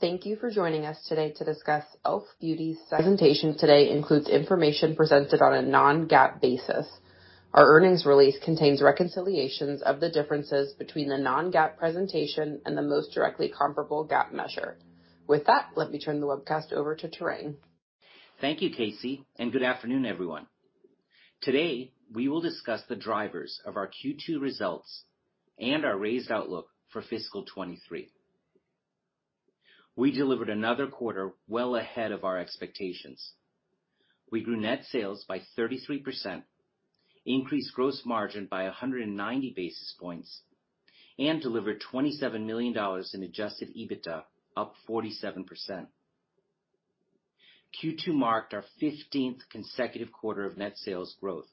Thank you for joining us today to discuss e.l.f. Beauty's presentation. Today includes information presented on a non-GAAP basis. Our earnings release contains reconciliations of the differences between the non-GAAP presentation and the most directly comparable GAAP measure. With that, let me turn the webcast over to Tarang Amin. Thank you, KC, and good afternoon, everyone. Today, we will discuss the drivers of our Q2 results and our raised outlook for fiscal 2023. We delivered another quarter well ahead of our expectations. We grew net sales by 33%, increased gross margin by 190 basis points, and delivered $27 million in Adjusted EBITDA, up 47%. Q2 marked our 15th consecutive quarter of net sales growth.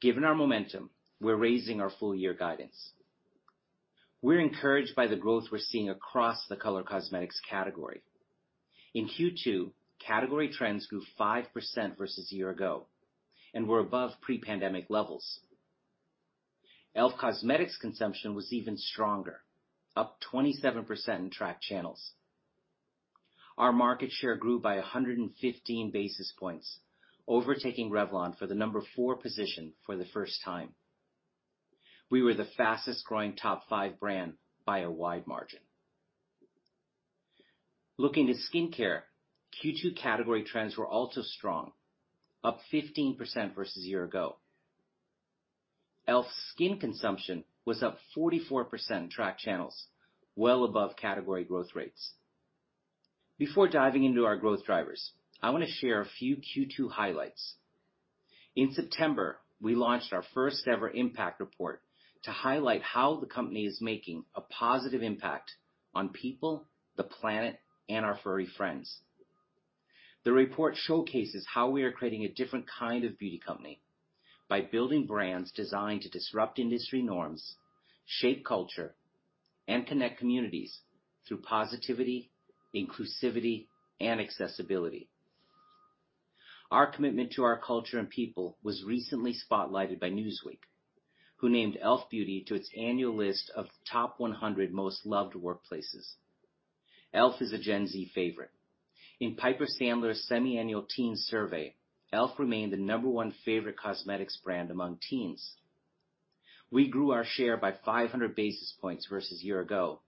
Given our momentum, we're raising our full-year guidance. We're encouraged by the growth we're seeing across the color cosmetics category. In Q2, category trends grew 5% versus year-ago and were above pre-pandemic levels. e.l.f. Cosmetics consumption was even stronger, up 27% in track channels. Our market share grew by 115 basis points, overtaking Revlon for the number four position for the first time. We were the fastest growing top five brand by a wide margin. Looking to skincare, Q2 category trends were also strong, up 15% versus year-ago. e.l.f. SKIN consumption was up 44% in track channels, well above category growth rates. Before diving into our growth drivers, I want to share a few Q2 highlights. In September, we launched our first ever impact report to highlight how the company is making a positive impact on people, the planet, and our furry friends. The report showcases how we are creating a different kind of beauty company by building brands designed to disrupt industry norms, shape culture, and connect communities through positivity, inclusivity, and accessibility. Our commitment to our culture and people was recently spotlighted by Newsweek, who named e.l.f. Beauty to its annual list of top 100 most loved workplaces. e.l.f. is a Gen Z favorite. In Piper Sandler's semiannual teen survey, e.l.f. remained the number one favorite cosmetics brand among teens. We grew our share by 500 basis points versus year ago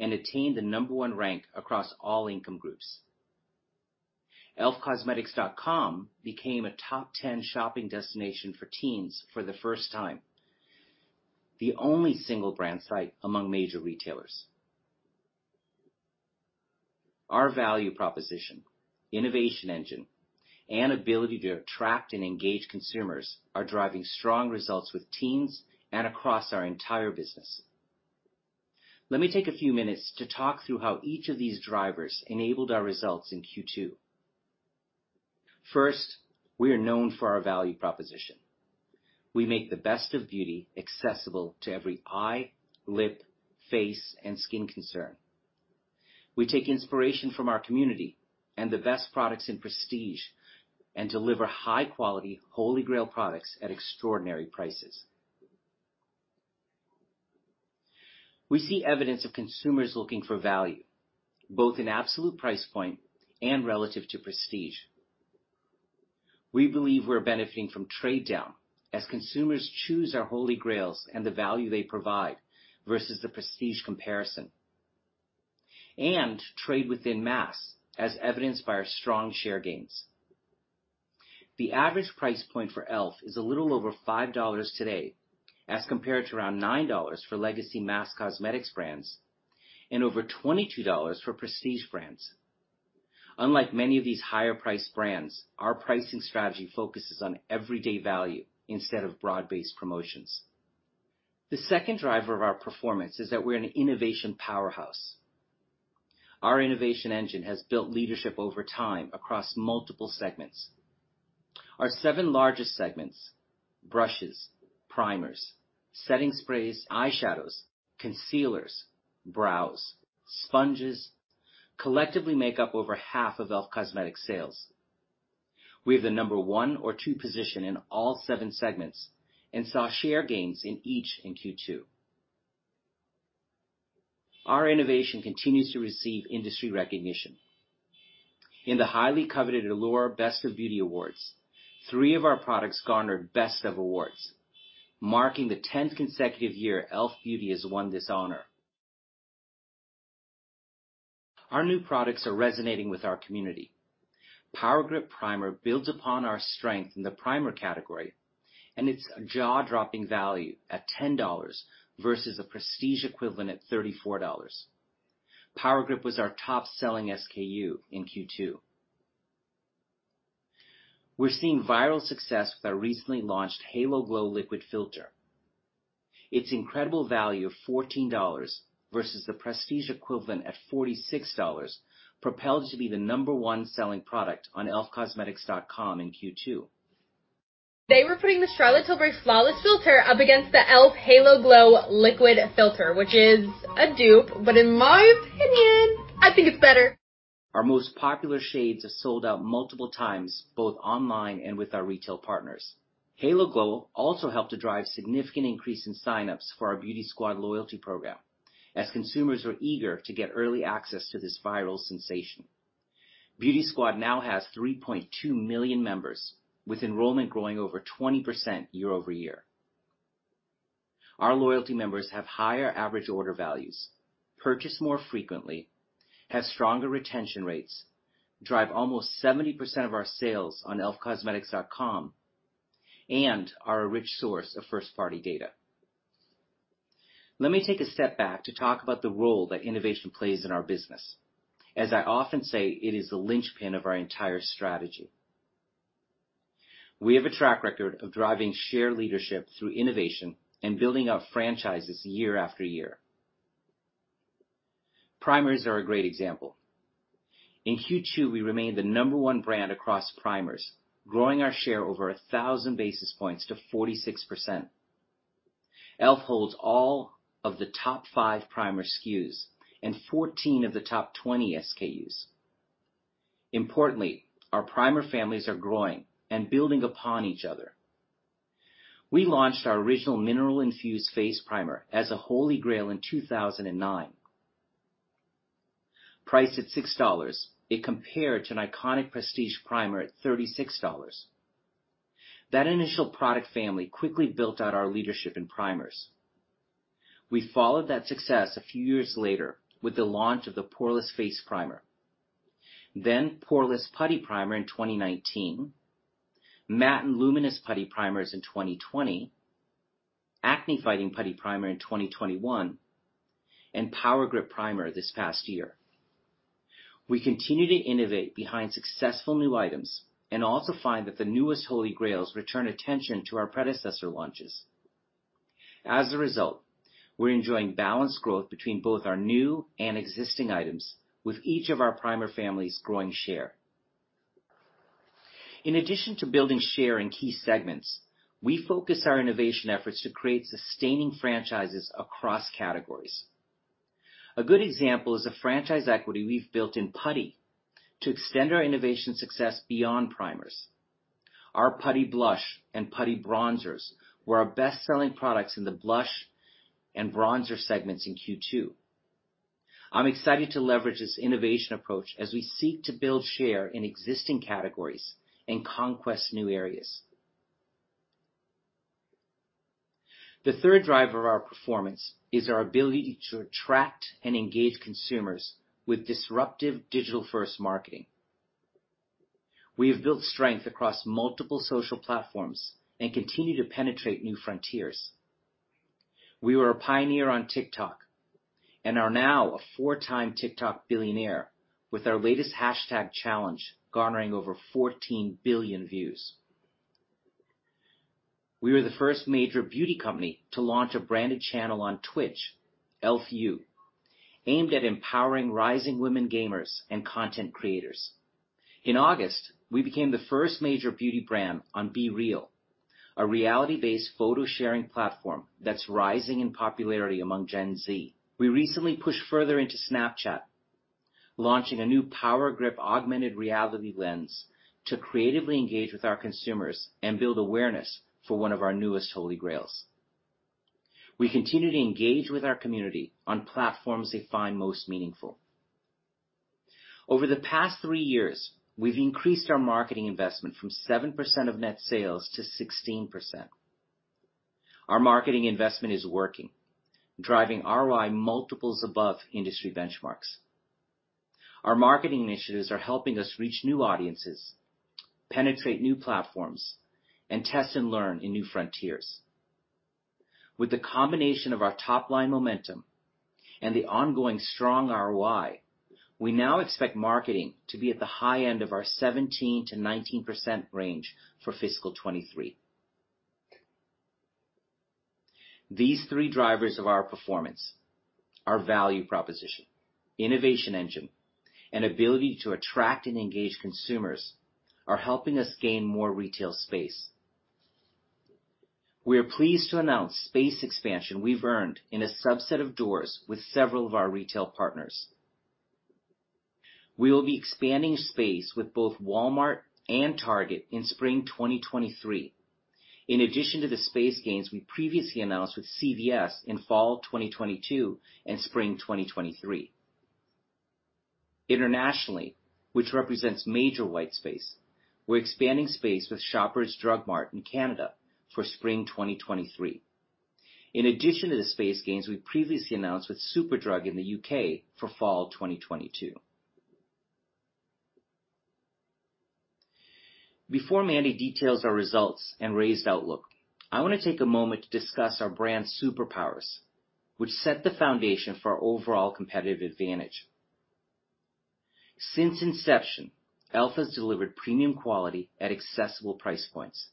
and attained the number one rank across all income groups. elfcosmetics.com became a top 10 shopping destination for teens for the first time, the only single brand site among major retailers. Our value proposition, innovation engine, and ability to attract and engage consumers are driving strong results with teens and across our entire business. Let me take a few minutes to talk through how each of these drivers enabled our results in Q2. First, we are known for our value proposition. We make the best of beauty accessible to every eye, lip, face, and skin concern. We take inspiration from our community and the best products in prestige and deliver high quality Holy Grail products at extraordinary prices. We see evidence of consumers looking for value, both in absolute price point and relative to prestige. We believe we're benefiting from trade down as consumers choose our Holy Grails and the value they provide versus the prestige comparison, and trade within mass, as evidenced by our strong share gains. The average price point for e.l.f. is a little over $5 today, as compared to around $9 for legacy mass cosmetics brands and over $22 for prestige brands. Unlike many of these higher price brands, our pricing strategy focuses on everyday value instead of broad-based promotions. The second driver of our performance is that we're an innovation powerhouse. Our innovation engine has built leadership over time across multiple segments. Our seven largest segments, brushes, primers, setting sprays, eyeshadows, concealers, brows, sponges, collectively make up over half of e.l.f. Cosmetics sales. We have the number one or two position in all seven segments and saw share gains in each in Q2. Our innovation continues to receive industry recognition. In the highly coveted Allure Best of Beauty Awards, three of our products garnered Best of Awards, marking the 10th consecutive year e.l.f. Beauty has won this honor. Our new products are resonating with our community. Power Grip Primer builds upon our strength in the primer category, and it's a jaw-dropping value at $10 versus a prestige equivalent at $34. Power Grip was our top selling SKU in Q2. We're seeing viral success with our recently launched Halo Glow Liquid Filter. Its incredible value of $14 versus the prestige equivalent at $46 propelled it to be the number one selling product on elfcosmetics.com in Q2. They were putting the Charlotte Tilbury Hollywood Flawless Filter up against the e.l.f. Halo Glow Liquid Filter, which is a dupe, but in my opinion. Our most popular shades have sold out multiple times, both online and with our retail partners. Halo Glow also helped to drive significant increase in signups for our Beauty Squad loyalty program, as consumers were eager to get early access to this viral sensation. Beauty Squad now has 3.2 million members, with enrollment growing over 20% year-over-year. Our loyalty members have higher average order values, purchase more frequently, have stronger retention rates, drive almost 70% of our sales on elfcosmetics.com, and are a rich source of first-party data. Let me take a step back to talk about the role that innovation plays in our business. As I often say, it is the linchpin of our entire strategy. We have a track record of driving share leadership through innovation and building up franchises year after year. Primers are a great example. In Q2, we remained the number one brand across primers, growing our share over 1,000 basis points to 46%. e.l.f. holds all of the top five primer SKUs and 14 of the top 20 SKUs. Importantly, our primer families are growing and building upon each other. We launched our original Mineral Infused Face Primer as a Holy Grail in 2009. Priced at $6, it compared to an iconic prestige primer at $36. That initial product family quickly built out our leadership in primers. We followed that success a few years later with the launch of the Poreless Face Primer, then Poreless Putty Primer in 2019, Matte and Luminous Putty Primers in 2020, Acne Fighting Putty Primer in 2021, and Power Grip Primer this past year. We continue to innovate behind successful new items and also find that the newest Holy Grails return attention to our predecessor launches. As a result, we're enjoying balanced growth between both our new and existing items with each of our primer families growing share. In addition to building share in key segments, we focus our innovation efforts to create sustaining franchises across categories. A good example is the franchise equity we've built in Putty to extend our innovation success beyond primers. Our Putty Blush and Putty Bronzers were our best-selling products in the blush and bronzer segments in Q2. I'm excited to leverage this innovation approach as we seek to build share in existing categories and conquest new areas. The third driver of our performance is our ability to attract and engage consumers with disruptive digital-first marketing. We have built strength across multiple social platforms and continue to penetrate new frontiers. We were a pioneer on TikTok and are now a four-time TikTok billionaire with our latest hashtag challenge garnering over 14 billion views. We were the first major beauty company to launch a branded channel on Twitch, e.l.f. U, aimed at empowering rising women gamers and content creators. In August, we became the first major beauty brand on BeReal, a reality-based photo sharing platform that's rising in popularity among Gen Z. We recently pushed further into Snapchat, launching a new Power Grip augmented reality lens to creatively engage with our consumers and build awareness for one of our newest Holy Grails. We continue to engage with our community on platforms they find most meaningful. Over the past three years, we've increased our marketing investment from 7% of net sales to 16%. Our marketing investment is working, driving ROI multiples above industry benchmarks. Our marketing initiatives are helping us reach new audiences, penetrate new platforms, and test and learn in new frontiers. With the combination of our top-line momentum and the ongoing strong ROI, we now expect marketing to be at the high end of our 17%-19% range for fiscal 2023. These three drivers of our performance, our value proposition, innovation engine, and ability to attract and engage consumers, are helping us gain more retail space. We are pleased to announce space expansion we've earned in a subset of doors with several of our retail partners. We will be expanding space with both Walmart and Target in spring 2023, in addition to the space gains we previously announced with CVS in fall 2022 and spring 2023. Internationally, which represents major white space, we're expanding space with Shoppers Drug Mart in Canada for spring 2023, in addition to the space gains we previously announced with Superdrug in the U.K. for fall 2022. Before Mandy details our results and raised outlook, I want to take a moment to discuss our brand superpowers, which set the foundation for our overall competitive advantage. Since inception, e.l.f. has delivered premium quality at accessible price points.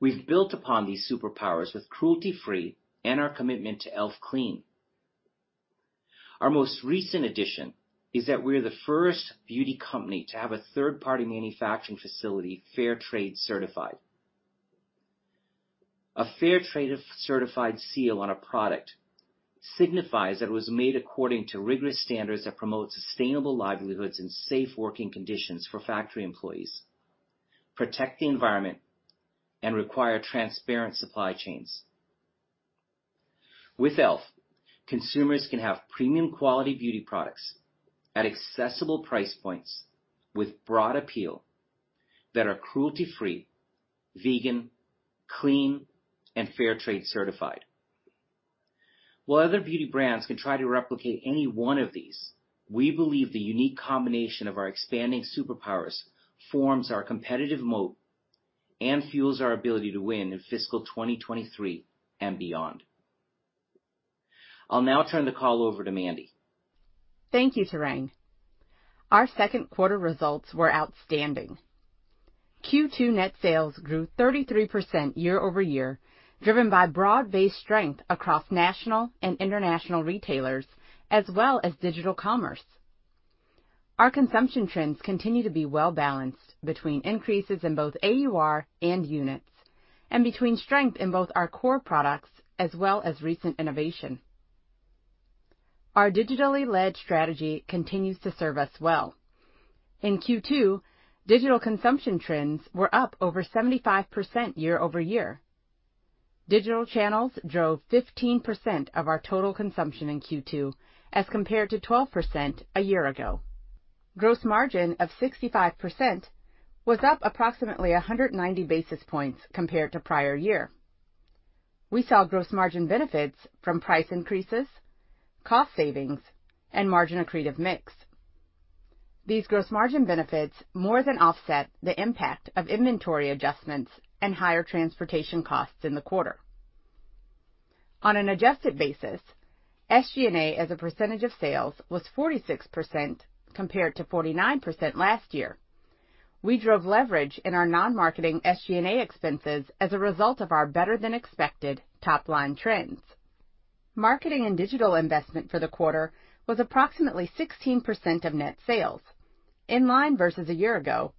We've built upon these superpowers with cruelty-free and our commitment to e.l.f. Clean. Our most recent addition is that we're the first beauty company to have a third-party manufacturing facility fair trade certified. A fair trade certified seal on a product signifies that it was made according to rigorous standards that promote sustainable livelihoods and safe working conditions for factory employees, protect the environment, and require transparent supply chains. With e.l.f., consumers can have premium quality beauty products at accessible price points with broad appeal that are cruelty-free, vegan, clean, and fair trade certified. While other beauty brands can try to replicate any one of these, we believe the unique combination of our expanding superpowers forms our competitive moat and fuels our ability to win in fiscal 2023 and beyond. I'll now turn the call over to Mandy. Thank you, Tarang. Our second quarter results were outstanding. Q2 net sales grew 33% year-over-year, driven by broad-based strength across national and international retailers, as well as digital commerce. Our consumption trends continue to be well balanced between increases in both AUR and units, and between strength in both our core products as well as recent innovation. Our digitally-led strategy continues to serve us well. In Q2, digital consumption trends were up over 75% year-over-year. Digital channels drove 15% of our total consumption in Q2, as compared to 12% a year ago. Gross margin of 65% was up approximately 190 basis points compared to prior year. We saw gross margin benefits from price increases, cost savings, and margin accretive mix. These gross margin benefits more than offset the impact of inventory adjustments and higher transportation costs in the quarter. On an adjusted basis, SG&A as a percentage of sales was 46%, compared to 49% last year. We drove leverage in our non-marketing SG&A expenses as a result of our better than expected top line trends. Marketing and digital investment for the quarter was approximately 16% of net sales, in line versus a year ago,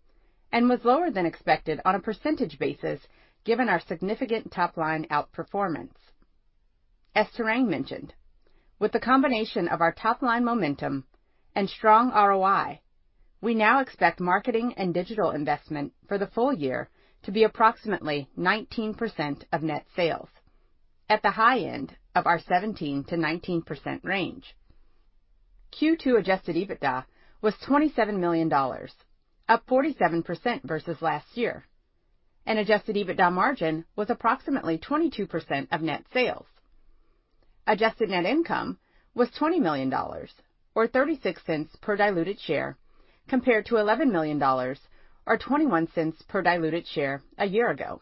and was lower than expected on a percentage basis, given our significant top line outperformance. As Tarang mentioned, with the combination of our top line momentum and strong ROI, we now expect marketing and digital investment for the full year to be approximately 19% of net sales, at the high end of our 17%-19% range. Q2 Adjusted EBITDA was $27 million, up 47% versus last year, and Adjusted EBITDA margin was approximately 22% of net sales. Adjusted net income was $20 million or $0.36 per diluted share, compared to $11 million or $0.21 per diluted share a year ago.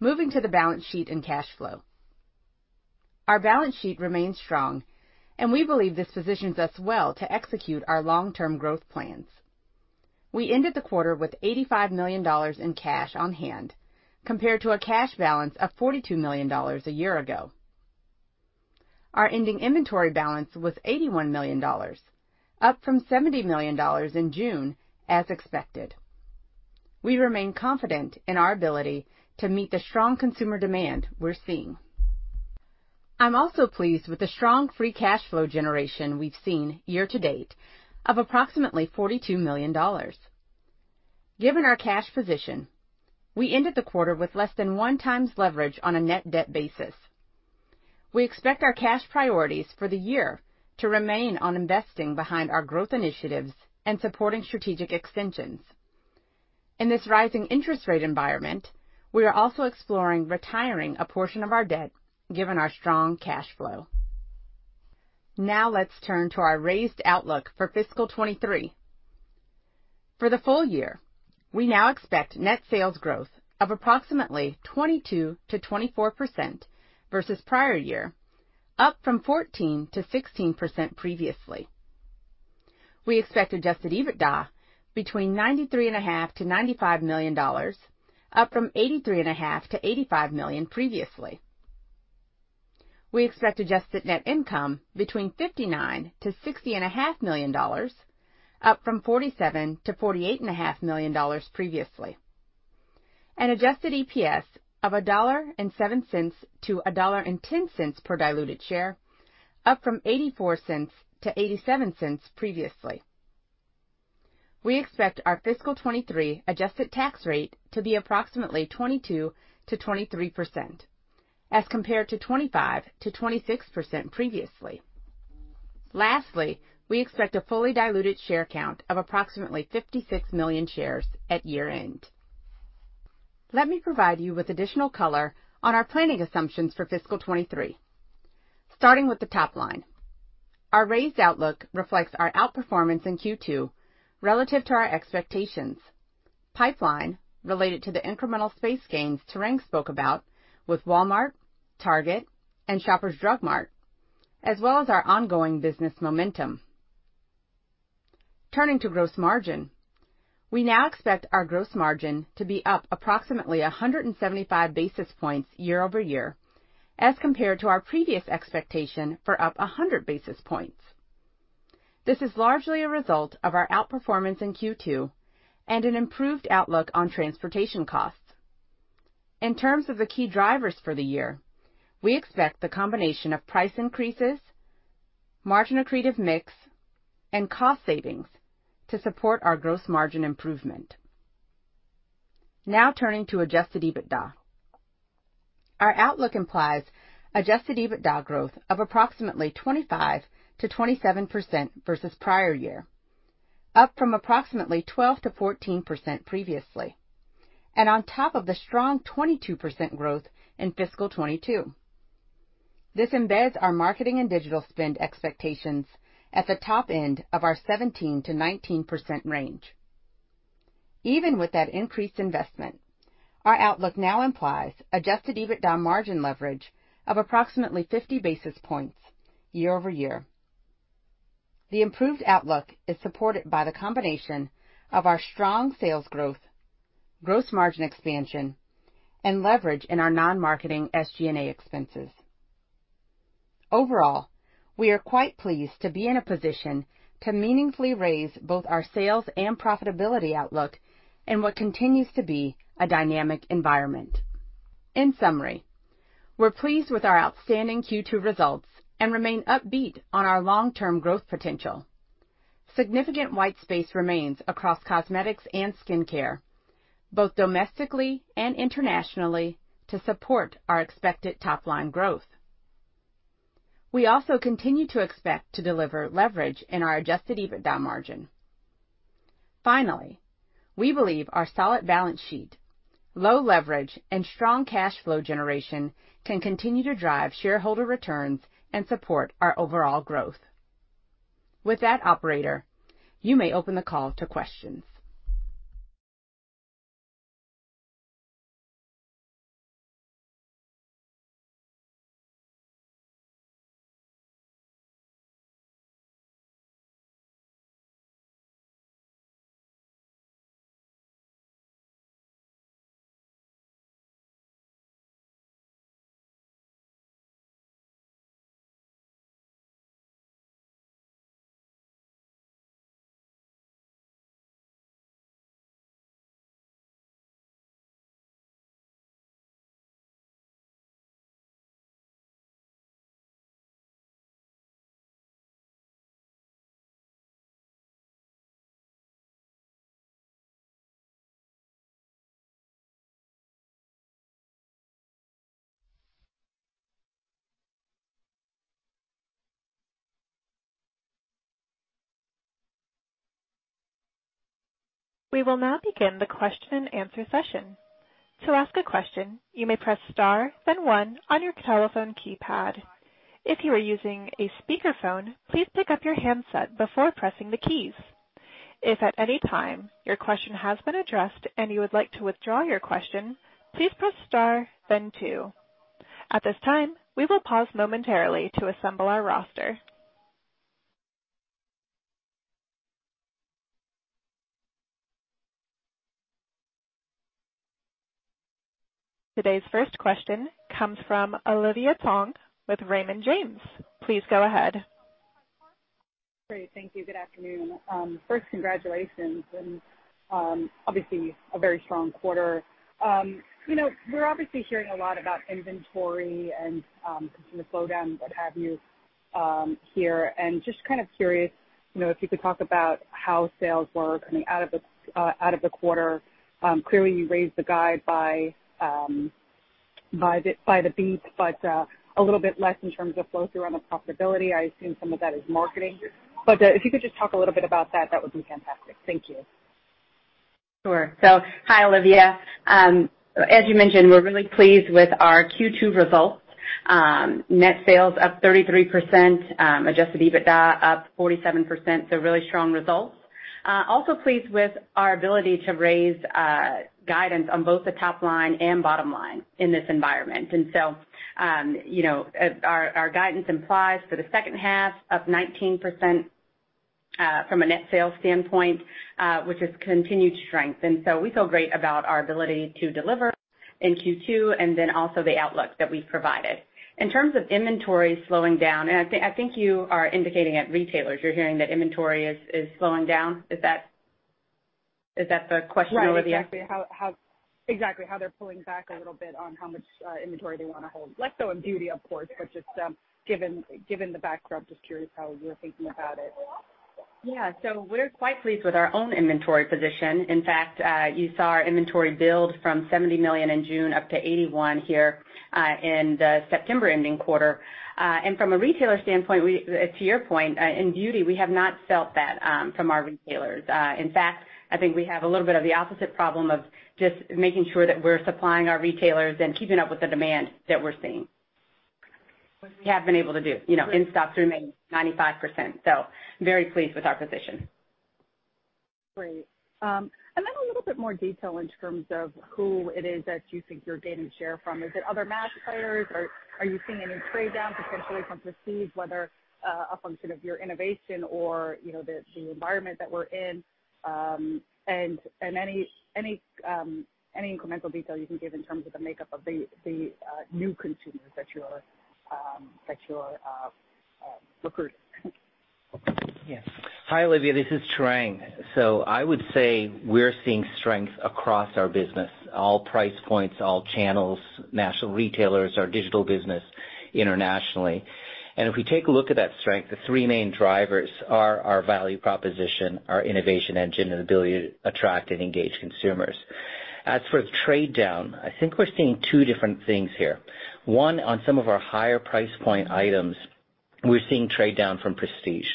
Moving to the balance sheet and cash flow. Our balance sheet remains strong, and we believe this positions us well to execute our long-term growth plans. We ended the quarter with $85 million in cash on hand, compared to a cash balance of $42 million a year ago. Our ending inventory balance was $81 million, up from $70 million in June, as expected. We remain confident in our ability to meet the strong consumer demand we're seeing. I'm also pleased with the strong free cash flow generation we've seen year-to-date of approximately $42 million. Given our cash position, we ended the quarter with less than 1x leverage on a net debt basis. We expect our cash priorities for the year to remain on investing behind our growth initiatives and supporting strategic extensions. In this rising interest rate environment, we are also exploring retiring a portion of our debt given our strong cash flow. Now let's turn to our raised outlook for fiscal 2023. For the full year, we now expect net sales growth of approximately 22%-24% versus prior year, up from 14%-16% previously. We expect Adjusted EBITDA between $93.5 million-$95 million, up from $83.5 million-$85 million previously. We expect adjusted net income between $59 million-$60.5 million, up from $47 million-$48.5 million previously. An adjusted EPS of $1.07-$1.10 per diluted share, up from $0.84-$0.87 previously. We expect our fiscal 2023 adjusted tax rate to be approximately 22%-23%, as compared to 25%-26% previously. Lastly, we expect a fully diluted share count of approximately 56 million shares at year-end. Let me provide you with additional color on our planning assumptions for fiscal 2023. Starting with the top line. Our raised outlook reflects our outperformance in Q2 relative to our expectations. Pipeline related to the incremental space gains Tarang spoke about with Walmart, Target, and Shoppers Drug Mart, as well as our ongoing business momentum. Turning to gross margin. We now expect our gross margin to be up approximately 175 basis points year-over-year, as compared to our previous expectation for up 100 basis points. This is largely a result of our outperformance in Q2 and an improved outlook on transportation costs. In terms of the key drivers for the year, we expect the combination of price increases, margin-accretive mix, and cost savings to support our gross margin improvement. Now turning to Adjusted EBITDA. Our outlook implies Adjusted EBITDA growth of approximately 25%-27% versus prior year, up from approximately 12%-14% previously, and on top of the strong 22% growth in fiscal 2022. This embeds our marketing and digital spend expectations at the top end of our 17%-19% range. Even with that increased investment, our outlook now implies Adjusted EBITDA margin leverage of approximately 50 basis points year-over-year. The improved outlook is supported by the combination of our strong sales growth, gross margin expansion, and leverage in our non-marketing SG&A expenses. Overall, we are quite pleased to be in a position to meaningfully raise both our sales and profitability outlook in what continues to be a dynamic environment. In summary, we're pleased with our outstanding Q2 results and remain upbeat on our long-term growth potential. Significant white space remains across cosmetics and skincare, both domestically and internationally, to support our expected top-line growth. We also continue to expect to deliver leverage in our Adjusted EBITDA margin. Finally, we believe our solid balance sheet, low leverage, and strong cash flow generation can continue to drive shareholder returns and support our overall growth. With that, operator, you may open the call to questions. We will now begin the question-and-answer session. To ask a question, you may press star then one on your telephone keypad. If you are using a speakerphone, please pick up your handset before pressing the keys. If at any time your question has been addressed and you would like to withdraw your question, please press star then two. At this time, we will pause momentarily to assemble our roster. Today's first question comes from Olivia Tong with Raymond James. Please go ahead. Great. Thank you. Good afternoon. First, congratulations, and obviously a very strong quarter. You know, we're obviously hearing a lot about inventory and consumer slowdown, what have you, here, and just kind of curious, you know, if you could talk about how sales were coming out of the quarter. Clearly, you raised the guide by the beat, but a little bit less in terms of flow-through on the profitability. I assume some of that is marketing. But if you could just talk a little bit about that would be fantastic. Thank you. Sure. Hi, Olivia. As you mentioned, we're really pleased with our Q2 results. Net sales up 33%, Adjusted EBITDA up 47%, so really strong results. Also pleased with our ability to raise guidance on both the top line and bottom line in this environment. You know, as our guidance implies for the second half, up 19% from a net sales standpoint, which has continued to strengthen. We feel great about our ability to deliver in Q2 and then also the outlook that we've provided. In terms of inventory slowing down, I think you are indicating at retailers, you're hearing that inventory is slowing down. Is that the question, Olivia? Right. Exactly how they're pulling back a little bit on how much inventory they wanna hold, less so in beauty, of course, but just given the backdrop, just curious how you're thinking about it. Yeah. We're quite pleased with our own inventory position. In fact, you saw our inventory build from $70 million in June up to $81 million here, in the September ending quarter. From a retailer standpoint, we to your point, in beauty, we have not felt that from our retailers. In fact, I think we have a little bit of the opposite problem of just making sure that we're supplying our retailers and keeping up with the demand that we're seeing, which we have been able to do. You know, in stocks remain 95%, so very pleased with our position. Great. A little bit more detail in terms of who it is that you think you're gaining share from. Is it other mass players or are you seeing any trade-downs essentially from prestige, whether a function of your innovation or, you know, the environment that we're in? Any incremental detail you can give in terms of the makeup of the new consumers that you're recruiting? Yes. Hi, Olivia. This is Tarang. I would say we're seeing strength across our business, all price points, all channels, national retailers, our digital business internationally. If we take a look at that strength, the three main drivers are our value proposition, our innovation engine, and ability to attract and engage consumers. As for trade down, I think we're seeing two different things here. One, on some of our higher price point items, we're seeing trade down from prestige.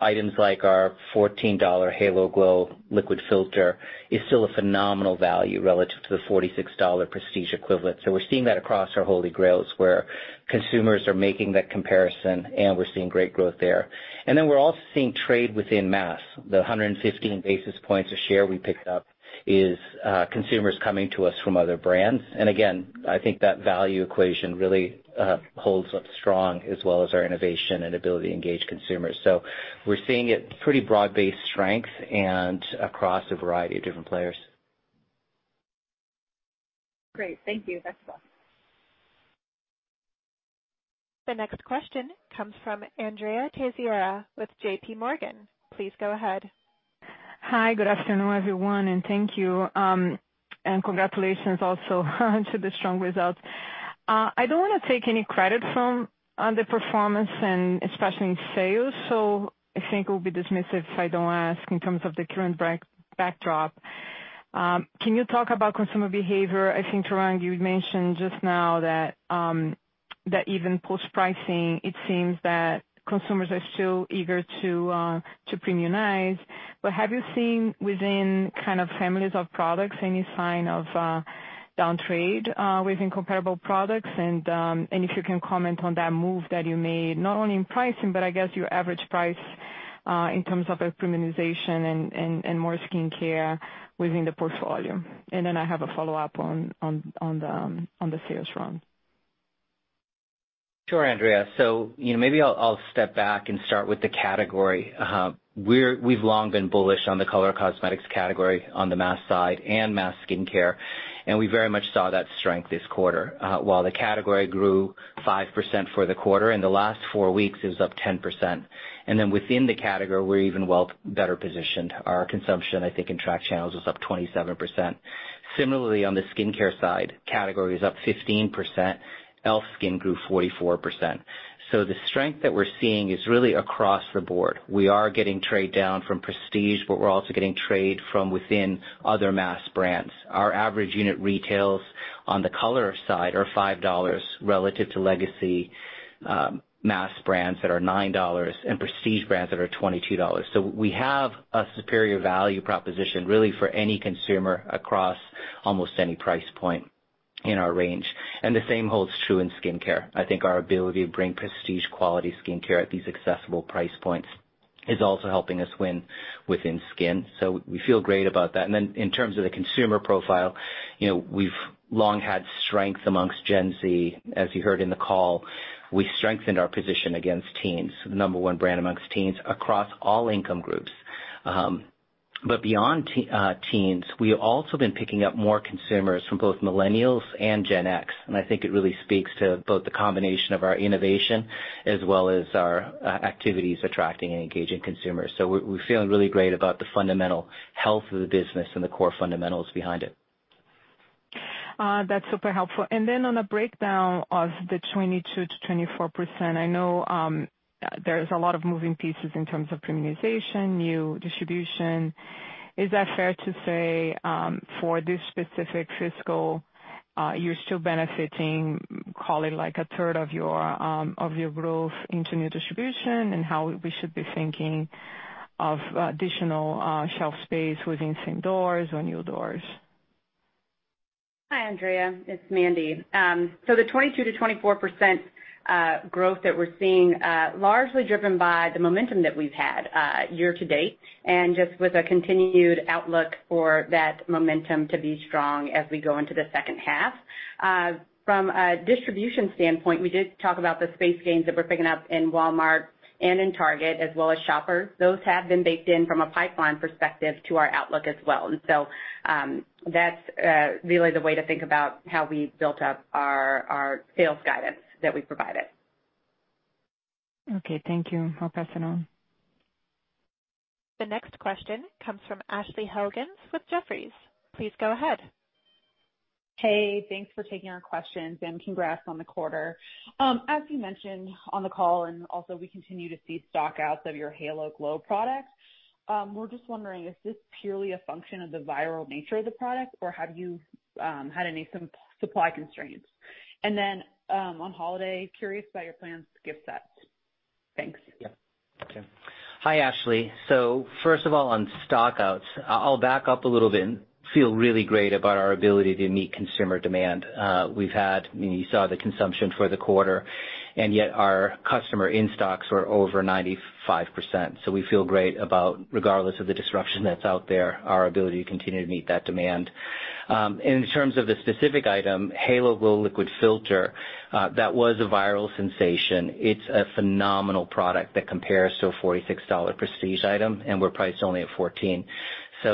Items like our $14 Halo Glow Liquid Filter is still a phenomenal value relative to the $46 prestige equivalent. We're seeing that across our Holy Grails, where consumers are making that comparison, and we're seeing great growth there. Then we're also seeing trade within mass. The 115 basis points of share we picked up is consumers coming to us from other brands. Again, I think that value equation really holds up strong as well as our innovation and ability to engage consumers. We're seeing it pretty broad-based strength and across a variety of different players. Great. Thank you. Next up. The next question comes from Andrea Teixeira with JPMorgan. Please go ahead. Hi, good afternoon, everyone, and thank you. Congratulations also to the strong results. I don't wanna take any credit for the performance and especially in sales, so I think it would be dismissive if I don't ask in terms of the current backdrop. Can you talk about consumer behavior? I think, Tarang, you mentioned just now that even post-pricing, it seems that consumers are still eager to premiumize. But have you seen within kind of families of products any sign of down trade within comparable products? If you can comment on that move that you made, not only in pricing, but I guess your average price in terms of the premiumization and more skincare within the portfolio. Then I have a follow-up on the sales run. Sure, Andrea. You know, maybe I'll step back and start with the category. We've long been bullish on the color cosmetics category on the mass side and mass skincare, and we very much saw that strength this quarter. While the category grew 5% for the quarter, in the last four weeks, it was up 10%. Then within the category, we're even better positioned. Our consumption, I think, in track channels was up 27%. On the skincare side, category is up 15%. e.l.f. SKIN grew 44%. The strength that we're seeing is really across the board. We are getting trade down from prestige, but we're also getting trade from within other mass brands. Our average unit retails on the color side are $5 relative to legacy, mass brands that are $9 and prestige brands that are $22. We have a superior value proposition really for any consumer across almost any price point in our range. The same holds true in skincare. I think our ability to bring prestige quality skincare at these accessible price points is also helping us win within skin. We feel great about that. In terms of the consumer profile, you know, we've long had strength amongst Gen Z. As you heard in the call, we strengthened our position against teens, the number one brand amongst teens across all income groups. Beyond teens, we have also been picking up more consumers from both Millennials and Gen X, and I think it really speaks to both the combination of our innovation as well as our activities attracting and engaging consumers. We're feeling really great about the fundamental health of the business and the core fundamentals behind it. That's super helpful. On a breakdown of the 22%-24%, I know, there's a lot of moving pieces in terms of premiumization, new distribution. Is that fair to say, for this specific fiscal, you're still benefiting, call it like a third of your growth into new distribution, and how we should be thinking of additional shelf space within same doors or new doors? Hi, Andrea. It's Mandy. The 22%-24% growth that we're seeing, largely driven by the momentum that we've had year to date, and just with a continued outlook for that momentum to be strong as we go into the second half. From a distribution standpoint, we did talk about the space gains that we're picking up in Walmart and in Target as well as Shoppers. Those have been baked in from a pipeline perspective to our outlook as well. That's really the way to think about how we built up our sales guidance that we provided. Okay, thank you. Hope, that's all. The next question comes from Ashley Helgans with Jefferies. Please go ahead. Hey, thanks for taking our questions and congrats on the quarter. As you mentioned on the call, and also we continue to see stockouts of your Halo Glow product, we're just wondering, is this purely a function of the viral nature of the product, or have you had any supply constraints? On holiday, curious about your plans to gift that. Thanks. Yeah. Okay. Hi, Ashley. First of all, on stockouts, I'll back up a little bit and feel really great about our ability to meet consumer demand. You saw the consumption for the quarter, and yet our customer in-stocks were over 95%. We feel great about, regardless of the disruption that's out there, our ability to continue to meet that demand. In terms of the specific item, Halo Glow Liquid Filter, that was a viral sensation. It's a phenomenal product that compares to a $46 prestige item, and we're priced only at $14.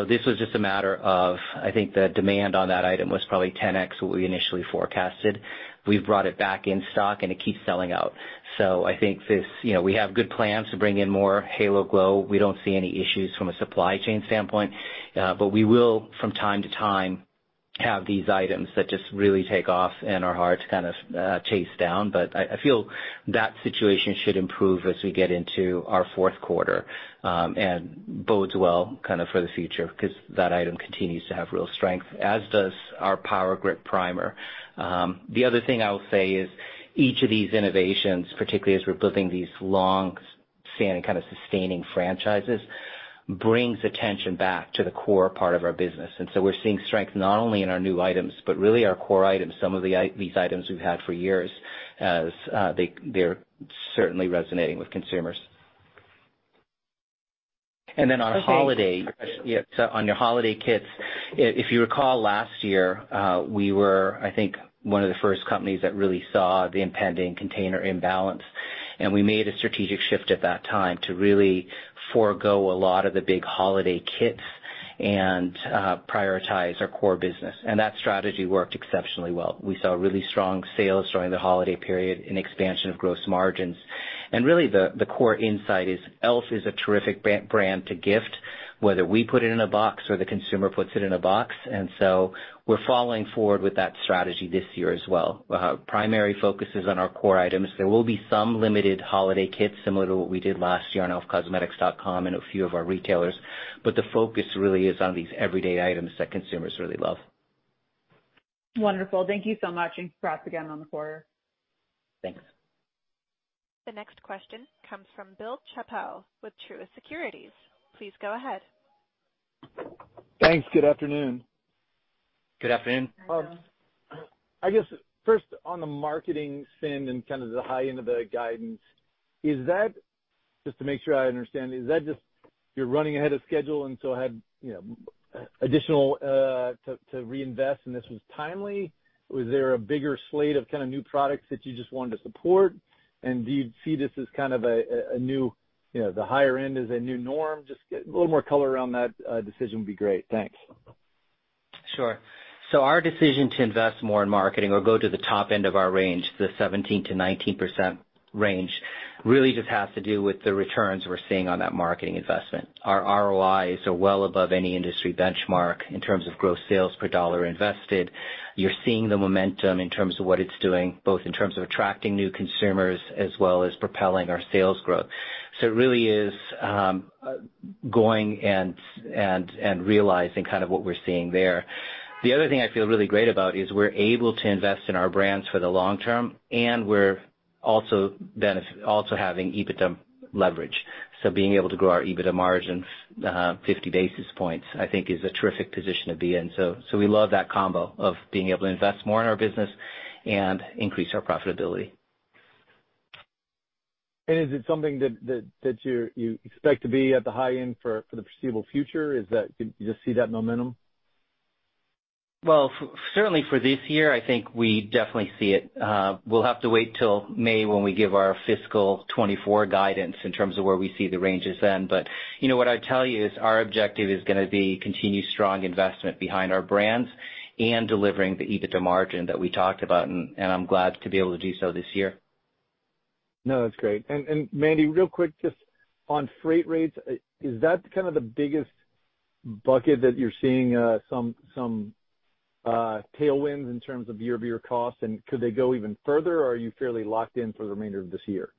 This was just a matter of, I think the demand on that item was probably 10x what we initially forecasted. We've brought it back in stock, and it keeps selling out. I think this, you know, we have good plans to bring in more Halo Glow. We don't see any issues from a supply chain standpoint, but we will from time to time have these items that just really take off and are hard to kind of, chase down. I feel that situation should improve as we get into our fourth quarter, and bodes well kinda for the future 'cause that item continues to have real strength, as does our Power Grip Primer. The other thing I will say is each of these innovations, particularly as we're building these long-standing kind of sustaining franchises, brings attention back to the core part of our business. We're seeing strength not only in our new items but really our core items, some of these items we've had for years as they're certainly resonating with consumers. On holiday kits, if you recall, last year, we were, I think, one of the first companies that really saw the impending container imbalance, and we made a strategic shift at that time to really forego a lot of the big holiday kits and prioritize our core business, and that strategy worked exceptionally well. We saw really strong sales during the holiday period and expansion of gross margins. The core insight is e.l.f. is a terrific brand to gift, whether we put it in a box or the consumer puts it in a box, and so we're moving forward with that strategy this year as well. Primary focus is on our core items. There will be some limited holiday kits similar to what we did last year on elfcosmetics.com and a few of our retailers, but the focus really is on these everyday items that consumers really love. Wonderful. Thank you so much, and for us again on the quarter. Thanks. The next question comes from Bill Chappell with Truist Securities. Please go ahead. Thanks. Good afternoon. Good afternoon. Hi, Bill. I guess first on the marketing spend and kind of the high end of the guidance, is that just to make sure I understand, is that just you're running ahead of schedule and so had, you know, additional to reinvest and this was timely? Was there a bigger slate of kind of new products that you just wanted to support? Do you see this as kind of a new, you know, the higher end as a new norm? Just a little more color around that decision would be great. Thanks. Sure. Our decision to invest more in marketing or go to the top end of our range, the 17%-19% range, really just has to do with the returns we're seeing on that marketing investment. Our ROIs are well above any industry benchmark in terms of gross sales per dollar invested. You're seeing the momentum in terms of what it's doing, both in terms of attracting new consumers as well as propelling our sales growth. It really is going and realizing kind of what we're seeing there. The other thing I feel really great about is we're able to invest in our brands for the long term, and we're also having EBITDA leverage. Being able to grow our EBITDA margins 50 basis points, I think is a terrific position to be in. We love that combo of being able to invest more in our business and increase our profitability. Is it something that you expect to be at the high end for the foreseeable future? Do you just see that momentum? Well, certainly for this year, I think we definitely see it. We'll have to wait till May when we give our fiscal 2024 guidance in terms of where we see the ranges then. You know, what I'd tell you is our objective is gonna be continued strong investment behind our brands and delivering the EBITDA margin that we talked about, and I'm glad to be able to do so this year. No, that's great. Mandy, real quick, just on freight rates, is that kind of the biggest bucket that you're seeing, some tailwinds in terms of year-over-year costs? Could they go even further, or are you fairly locked in for the remainder of this year?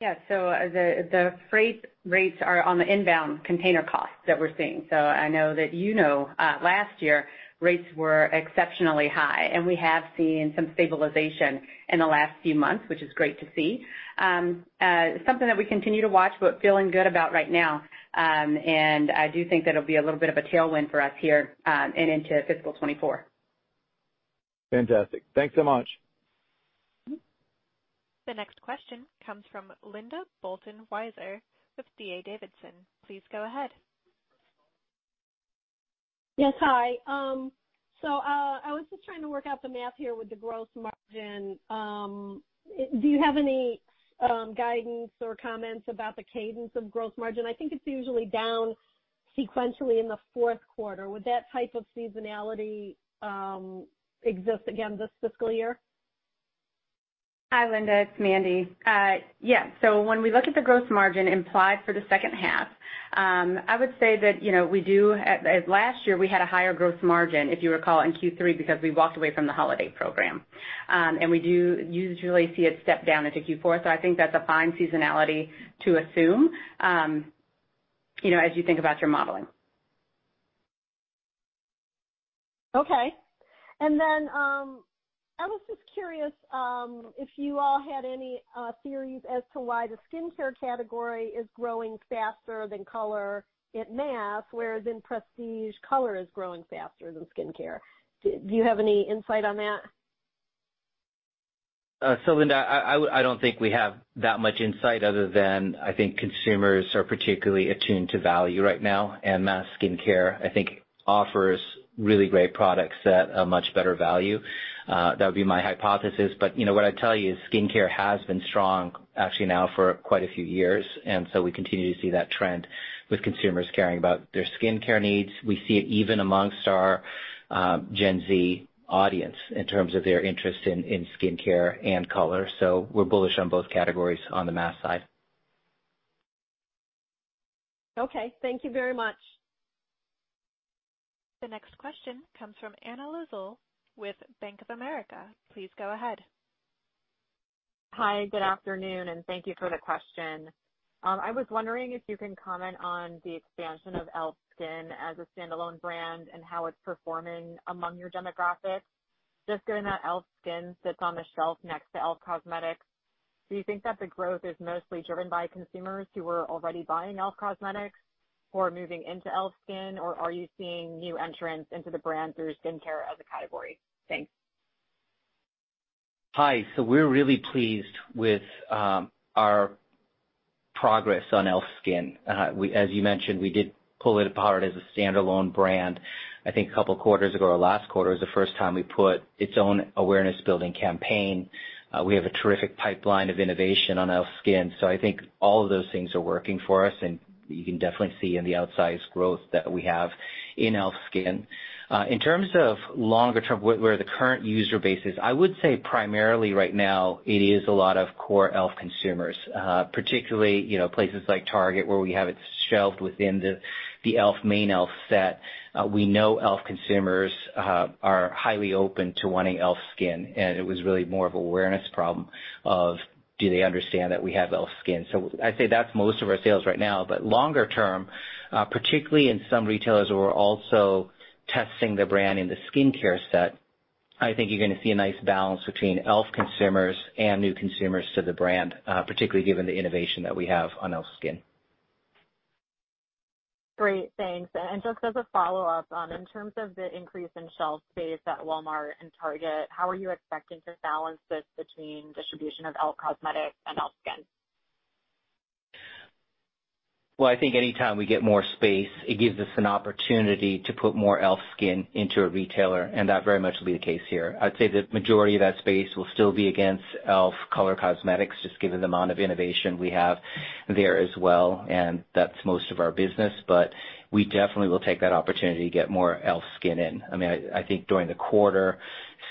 Yeah. The freight rates are on the inbound container costs that we're seeing. I know that you know, last year rates were exceptionally high, and we have seen some stabilization in the last few months, which is great to see. Something that we continue to watch, but feeling good about right now. I do think that'll be a little bit of a tailwind for us here, and into fiscal 2024. Fantastic. Thanks so much. The next question comes from Linda Bolton-Weiser with D.A. Davidson. Please go ahead. Yes. Hi. I was just trying to work out the math here with the gross margin. Do you have any guidance or comments about the cadence of gross margin? I think it's usually down sequentially in the fourth quarter. Would that type of seasonality exist again this fiscal year? Hi, Linda. It's Mandy. Yeah. When we look at the gross margin implied for the second half, I would say that, you know, in last year we had a higher gross margin, if you recall, in Q3 because we walked away from the holiday program. We do usually see it step down into Q4. I think that's a fine seasonality to assume, you know, as you think about your modeling. Okay. I was just curious if you all had any theories as to why the skincare category is growing faster than color at mass, whereas in prestige, color is growing faster than skincare. Do you have any insight on that? Linda, I don't think we have that much insight other than I think consumers are particularly attuned to value right now, and mass skincare, I think, offers really great products at a much better value. That would be my hypothesis. You know, what I'd tell you is skincare has been strong actually now for quite a few years, and so we continue to see that trend with consumers caring about their skincare needs. We see it even amongst our Gen Z audience in terms of their interest in skincare and color. We're bullish on both categories on the mass side. Okay, thank you very much. The next question comes from Anna Lizzul with Bank of America. Please go ahead. Hi, good afternoon, and thank you for the question. I was wondering if you can comment on the expansion of e.l.f. SKIN as a standalone brand and how it's performing among your demographics, just given that e.l.f. SKIN sits on the shelf next to e.l.f. Cosmetics. Do you think that the growth is mostly driven by consumers who are already buying e.l.f. Cosmetics who are moving into e.l.f. SKIN, or are you seeing new entrants into the brand through skincare as a category? Thanks. Hi. We're really pleased with our progress on e.l.f. SKIN. As you mentioned, we did pull it apart as a standalone brand, I think a couple of quarters ago, or last quarter was the first time we put its own awareness-building campaign. We have a terrific pipeline of innovation on e.l.f. SKIN, so I think all of those things are working for us, and you can definitely see in the outsized growth that we have in e.l.f. SKIN. In terms of longer term, where the current user base is, I would say primarily right now it is a lot of core e.l.f. consumers, particularly, you know, places like Target, where we have it shelved within the e.l.f. main e.l.f. set. We know e.l.f. consumers are highly open to wanting e.l.f. SKIN, it was really more of an awareness problem of do they understand that we have e.l.f. SKIN? I'd say that's most of our sales right now. Longer term, particularly in some retailers where we're also testing the brand in the skincare set, I think you're gonna see a nice balance between e.l.f. consumers and new consumers to the brand, particularly given the innovation that we have on e.l.f. SKIN. Great. Thanks. Just as a follow-up, in terms of the increase in shelf space at Walmart and Target, how are you expecting to balance this between distribution of e.l.f. Cosmetics and e.l.f. SKIN? Well, I think anytime we get more space, it gives us an opportunity to put more e.l.f. SKIN into a retailer, and that very much will be the case here. I'd say the majority of that space will still be against e.l.f. color cosmetics, just given the amount of innovation we have there as well, and that's most of our business. But we definitely will take that opportunity to get more e.l.f. SKIN in. I mean, I think during the quarter,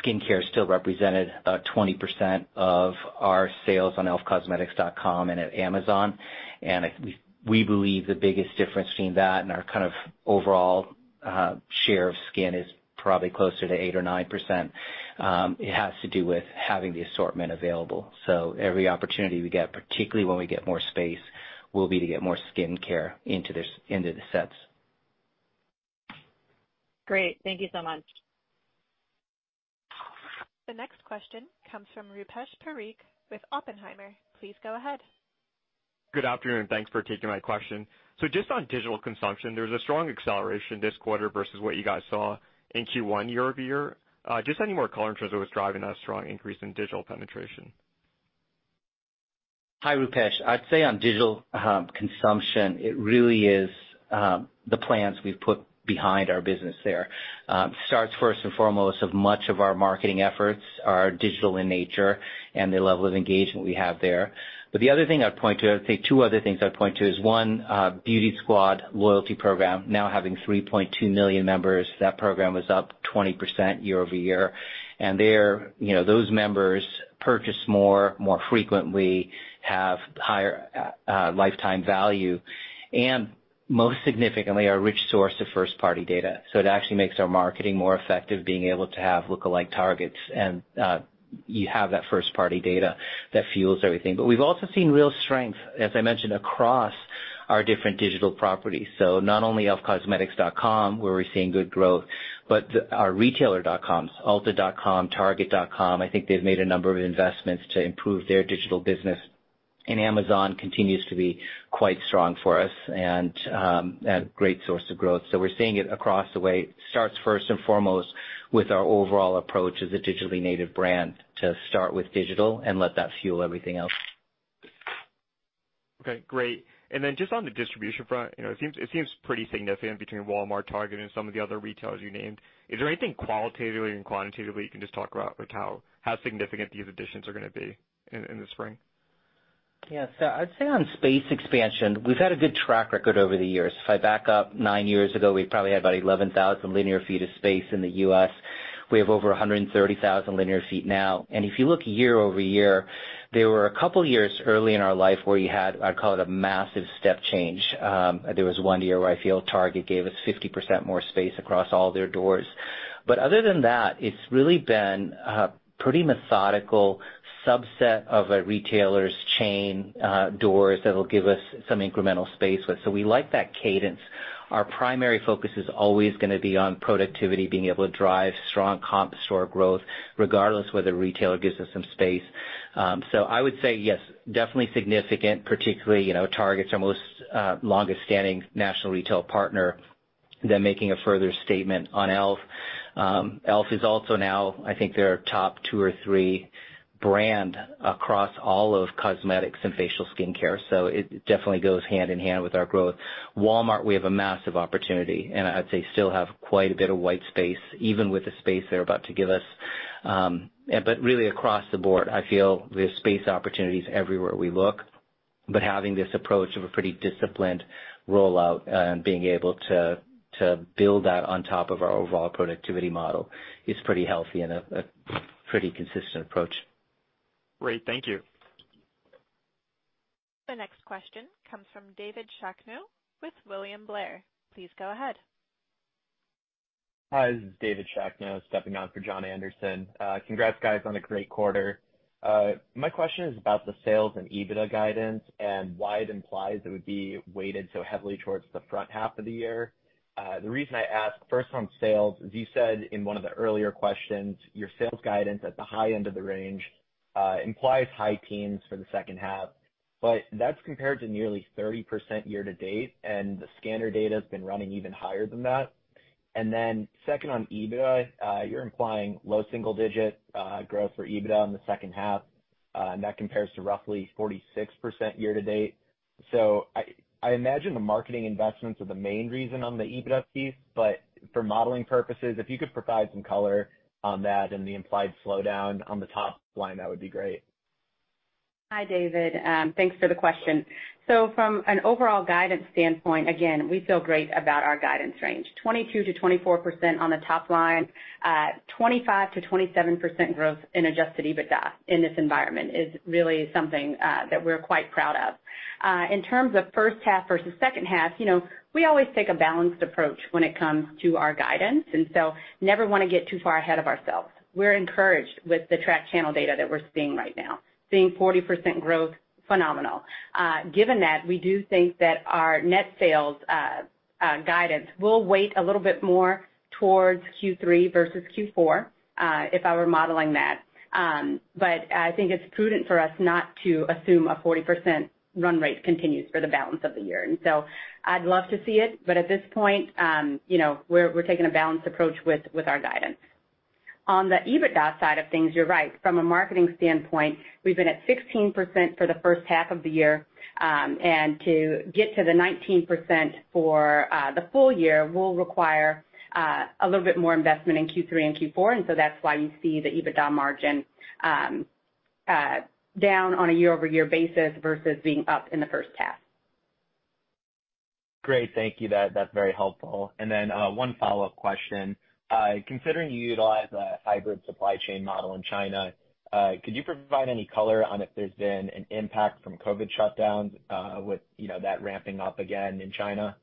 skincare still represented 20% of our sales on elfcosmetics.com and at Amazon. I think we believe the biggest difference between that and our kind of overall share of skin is probably closer to 8% or 9%. It has to do with having the assortment available. Every opportunity we get, particularly when we get more space, will be to get more skincare into the sets. Great. Thank you so much. The next question comes from Rupesh Parikh with Oppenheimer. Please go ahead. Good afternoon. Thanks for taking my question. Just on digital consumption, there was a strong acceleration this quarter versus what you guys saw in Q1 year over year. Just any more color in terms of what's driving that strong increase in digital penetration? Hi, Rupesh. I'd say on digital consumption, it really is the plans we've put behind our business there. It starts first and foremost with much of our marketing efforts are digital in nature and the level of engagement we have there. The other thing I'd point to is two other things. One, Beauty Squad loyalty program now having 3.2 million members. That program was up 20% year-over-year. There, you know, those members purchase more frequently, have higher lifetime value, and most significantly, are a rich source of first-party data. So it actually makes our marketing more effective, being able to have lookalike targets, and you have that first-party data that fuels everything. We've also seen real strength, as I mentioned, across our different digital properties. Not only elfcosmetics.com, where we're seeing good growth, but our retailer.coms, Ulta, Target.com. I think they've made a number of investments to improve their digital business. Amazon continues to be quite strong for us and a great source of growth. We're seeing it across the way. It starts first and foremost with our overall approach as a digitally native brand to start with digital and let that fuel everything else. Okay, great. Just on the distribution front, you know, it seems pretty significant between Walmart, Target, and some of the other retailers you named. Is there anything qualitatively and quantitatively you can just talk about, like, how significant these additions are gonna be in the spring? Yeah, I'd say on space expansion, we've had a good track record over the years. If I back up nine years ago, we probably had about 11,000 linear feet of space in the U.S. We have over 130,000 linear feet now. If you look year-over-year, there were a couple years early in our life where you had, I'd call it, a massive step change. There was one year where I feel Target gave us 50% more space across all their doors. Other than that, it's really been a pretty methodical subset of a retailer's chain, doors that'll give us some incremental space. We like that cadence. Our primary focus is always gonna be on productivity, being able to drive strong comp store growth regardless whether a retailer gives us some space. I would say yes, definitely significant, particularly, you know, Target's our most longest standing national retail partner. Making a further statement on e.l.f., e.l.f. is also now I think their top two or three brand across all of cosmetics and facial skincare, so it definitely goes hand in hand with our growth. Walmart, we have a massive opportunity, and I'd say still have quite a bit of white space, even with the space they're about to give us. Really across the board, I feel there's space opportunities everywhere we look. Having this approach of a pretty disciplined rollout and being able to build that on top of our overall productivity model is pretty healthy and a pretty consistent approach. Great. Thank you. The next question comes from David Shakno with William Blair. Please go ahead. Hi, this is David Shakno stepping in for Jon Andersen. Congrats, guys, on a great quarter. My question is about the sales and EBITDA guidance and why it implies it would be weighted so heavily towards the front half of the year. The reason I ask, first, on sales, as you said in one of the earlier questions, your sales guidance at the high end of the range implies high teens for the second half. That's compared to nearly 30% year to date, and the scanner data's been running even higher than that. Then second, on EBITDA, you're implying low single-digit growth for EBITDA in the second half, and that compares to roughly 46% year to date. I imagine the marketing investments are the main reason on the EBITDA piece, but for modeling purposes, if you could provide some color on that and the implied slowdown on the top line, that would be great. Hi, David, thanks for the question. From an overall guidance standpoint, again, we feel great about our guidance range. 22%-24% on the top line, 25%-27% growth in Adjusted EBITDA in this environment is really something that we're quite proud of. In terms of first half versus second half, you know, we always take a balanced approach when it comes to our guidance, and so never wanna get too far ahead of ourselves. We're encouraged with the track channel data that we're seeing right now. Seeing 40% growth, phenomenal. Given that, we do think that our net sales guidance will weigh a little bit more towards Q3 versus Q4, if I were modeling that. I think it's prudent for us not to assume a 40% run rate continues for the balance of the year. I'd love to see it, but at this point, you know, we're taking a balanced approach with our guidance. On the EBITDA side of things, you're right. From a marketing standpoint, we've been at 16% for the first half of the year. To get to the 19% for the full year will require a little bit more investment in Q3 and Q4, that's why you see the EBITDA margin down on a year-over-year basis versus being up in the first half. Great. Thank you. That's very helpful. One follow-up question. Considering you utilize a hybrid supply chain model in China, could you provide any color on if there's been an impact from COVID shutdowns, with, you know, that ramping up again in China?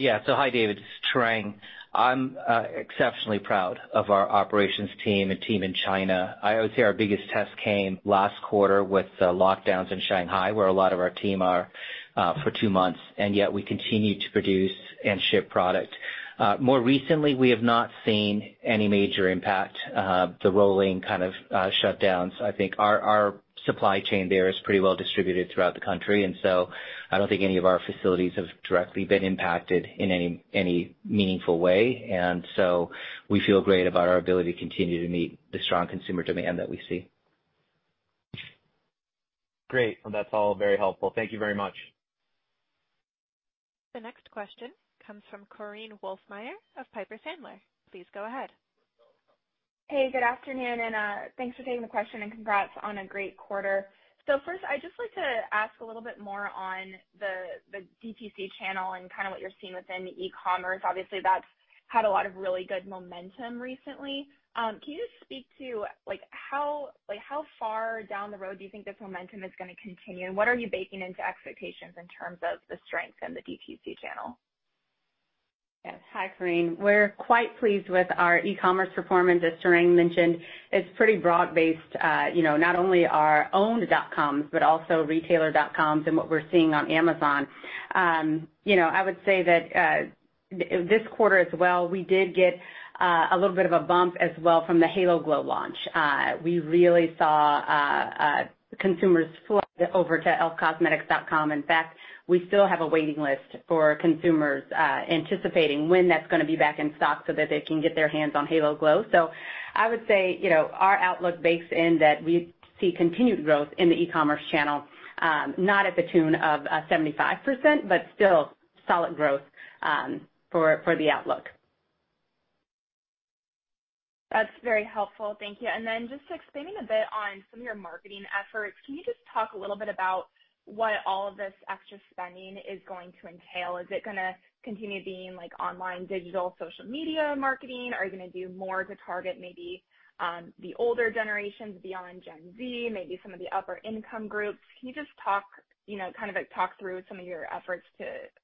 Yeah. Hi, David, this is Tarang. I'm exceptionally proud of our operations team and team in China. I would say our biggest test came last quarter with the lockdowns in Shanghai, where a lot of our team are for two months, and yet we continued to produce and ship product. More recently, we have not seen any major impact, the rolling kind of shutdowns. I think our supply chain there is pretty well distributed throughout the country. We feel great about our ability to continue to meet the strong consumer demand that we see. Great. Well, that's all very helpful. Thank you very much. The next question comes from Korinne Wolfmeyer of Piper Sandler. Please go ahead. Hey, good afternoon, and thanks for taking the question, and congrats on a great quarter. First, I'd just like to ask a little bit more on the DTC channel and kind of what you're seeing within e-commerce. Obviously, that's had a lot of really good momentum recently. Can you just speak to, like how far down the road do you think this momentum is gonna continue? What are you baking into expectations in terms of the strength in the DTC channel? Yes. Hi, Korinne. We're quite pleased with our e-commerce performance, as Tarang mentioned. It's pretty broad-based, you know, not only our own dot-coms, but also retailer dot-coms and what we're seeing on Amazon. You know, I would say that this quarter as well, we did get a little bit of a bump as well from the Halo Glow launch. We really saw consumers flock over to elfcosmetics.com. In fact, we still have a waiting list for consumers anticipating when that's gonna be back in stock so that they can get their hands on Halo Glow. I would say, you know, our outlook bakes in that we see continued growth in the e-commerce channel, not at the tune of 75%, but still solid growth for the outlook. That's very helpful. Thank you. Just expanding a bit on some of your marketing efforts, can you just talk a little bit about what all of this extra spending is going to entail? Is it gonna continue being like online, digital, social media marketing? Are you gonna do more to target maybe the older generations beyond Gen Z, maybe some of the upper income groups? Can you just talk, you know, kind of like talk through some of your efforts